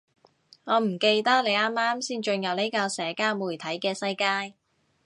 我唔記得你啱啱先進入呢個社交媒體嘅世界